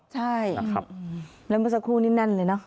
ใช่แล้วมันสักครู่นิดนั้นเลย